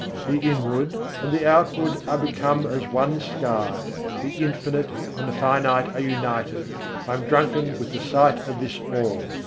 The inward and the outward are become as one sky, the Infinite and the finite are united: I am drunken with the sight of this All!